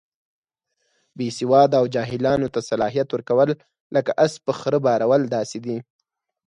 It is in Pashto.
بې سواده او جاهلانو ته صلاحیت ورکول، لکه اس په خره بارول داسې دي.